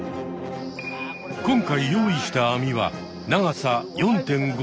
今回用意した網は長さ４．５ｍ。